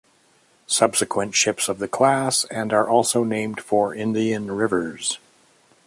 Subsequent ships of the class, and are also named for Indian rivers.